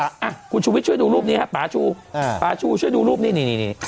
อ่ะคุณชุวิตช่วยดูรูปนี้ครับป๊าชู้อ่าป๊าชู้ช่วยดูรูปนี้นี่นี่นี่